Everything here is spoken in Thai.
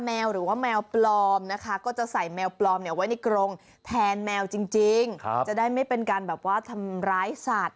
ไม่ต้องกลัวว่าแมวจะป่วย